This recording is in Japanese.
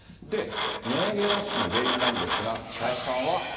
で、値上げラッシュの原因なんですが、加谷さんは。